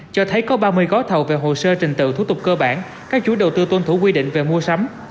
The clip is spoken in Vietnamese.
cho thấy có ba mươi gói thầu về hồ sơ trình tự thủ tục cơ bản các chú đầu tư tuân thủ quy định về mua sắm